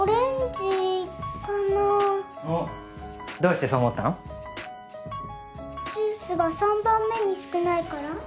ジュースが３番目に少ないから。